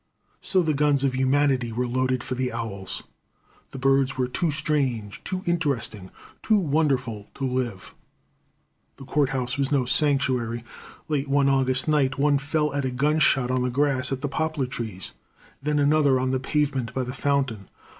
So the guns of humanity were loaded for the owls. The birds were too strange, too interesting, too wonderful to live. The court house was no sanctuary. Late one August night one fell at a gun shot on the grass at the poplar trees. Then another on the pavement by the fountain.